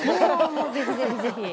ぜひぜひぜひ。